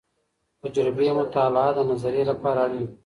تجربي مطالعه د نظريې لپاره اړينه ده.